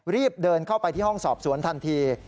รีบเดินเข้าไปที่ห้องสอบสวนทันที